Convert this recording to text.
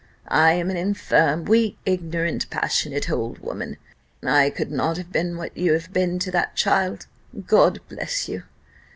I am an infirm, weak, ignorant, passionate old woman I could not have been what you have been to that child God bless you!